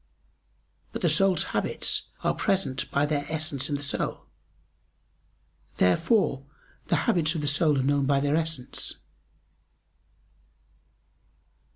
But the soul's habits are present by their essence in the soul. Therefore the habits of the soul are known by their essence.